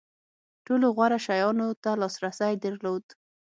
ټولو غوره شیانو ته لاسرسی درلود.